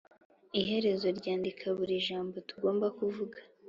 iherezo ryandika buri jambo tugomba kuvuga,